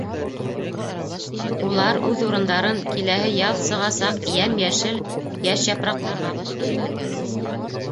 Улар үҙ урындарын киләһе яҙ сығасаҡ йәм-йәшел йәш япраҡтарға ҡалдырҙы.